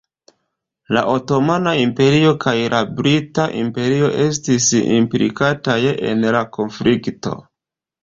La Otomana Imperio kaj la Brita Imperio estis implikitaj en la konflikto.